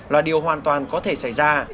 là điều hoàn toàn có thể xảy ra